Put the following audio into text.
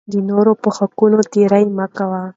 د نورو په حقونو تېری مه کوئ.